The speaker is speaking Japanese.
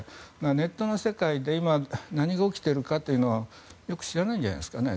ネットの世界で今、何が起きているのかよく知らないんじゃないですかね。